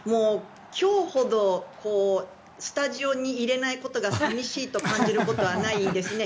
今日ほどスタジオにいられないことが寂しいと感じることはないですね。